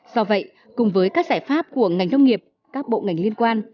do vậy cùng với các giải pháp của ngành nông nghiệp các bộ ngành liên quan